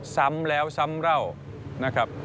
ซ้ำแล้วซ้ำเล่านะครับ